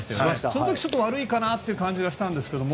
その時ちょっと悪いかなという感じがしたんですが。